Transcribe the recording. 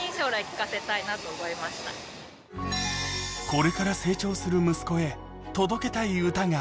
これから成長する息子へ届けたい歌が。